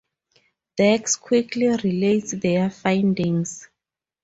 Dax quickly relates their findings.